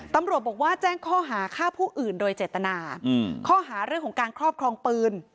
ตำรวจบอกว่าแจ้งข้อหาฆ่าผู้อื่นโดยเจตนาข้อหาเรื่องของการครอบครองปืน